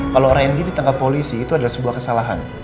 kalau randy ditangkap polisi itu adalah sebuah kesalahan